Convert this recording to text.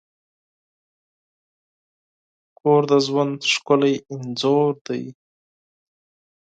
کور د ژوند ښکلی انځور دی.